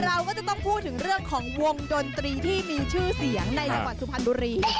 เราก็จะต้องพูดถึงเรื่องของวงดนตรีที่มีชื่อเสียงในจังหวัดสุพรรณบุรี